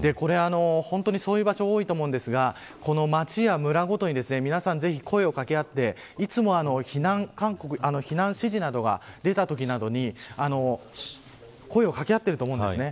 本当にそういう場所多いと思うんですが街や村ごとに皆さん、ぜひ声を掛け合っていつも避難勧告、避難指示などが出たときなどに声を掛け合っていると思うんですね。